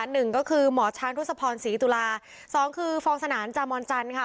หนึ่งก็คือหมอช้างทศพรศรีตุลาสองคือฟองสนานจามอนจันทร์ค่ะ